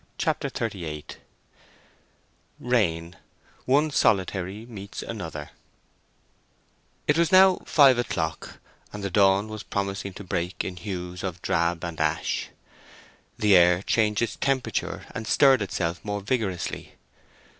CHAPTER XXXVIII RAIN—ONE SOLITARY MEETS ANOTHER It was now five o'clock, and the dawn was promising to break in hues of drab and ash. The air changed its temperature and stirred itself more vigorously.